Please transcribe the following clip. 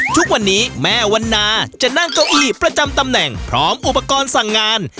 ทุกวันนี้แม่วันนาจะนั่งเก้าอีหลีประจำตำแหน่งพร้อมอุปกรณ์สั่งงาน